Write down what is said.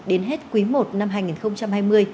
đến hết quý i năm hai nghìn hai mươi